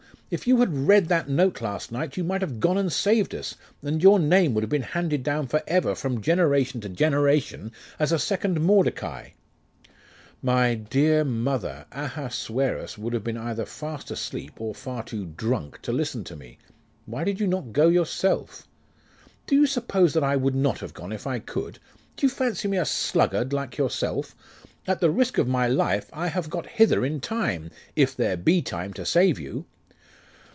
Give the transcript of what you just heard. if you had read that note last night, you might have gone and saved us, and your name would have been handed down for ever from generation to generation as a second Mordecai.' 'My dear mother, Ahasuerus would have been either fast asleep, or far too drunk to listen to me. Why did you not go yourself?' 'Do you suppose that I would not have gone if I could? Do you fancy me a sluggard like yourself? At the risk of my life I have got hither in time, if there be time to save you.